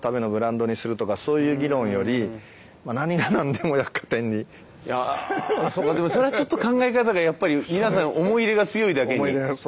ですから商品がどうこうとかそうかでもそれはちょっと考え方がやっぱり皆さん思い入れが強いだけに。